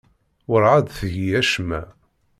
Werɛad tgi acemma.